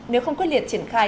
nếu không quyết liệt triển khai